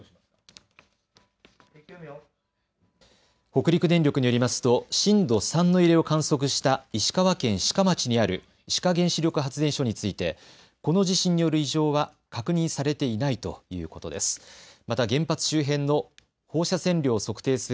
北陸電力によりますと震度３の揺れを観測した石川県志賀町にある志賀原子力発電所についてこの地震による異常は確認されていないということです。